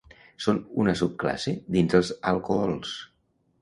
Són una subclasse dins els alcohols.